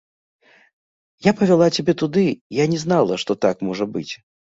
Я павяла цябе туды, я не знала, што так можа быць.